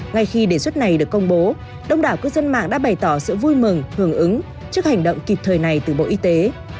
ngay khi đề xuất này được công bố đông đảo cư dân mạng đã bày tỏ sự vui mừng hưởng ứng trước hành động kịp thời này từ bộ y tế